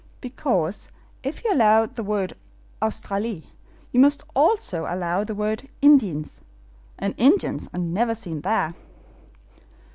"Because, if you allow the word AUSTRALIE! you must also allow the word INDIENS, and Indians are never seen there."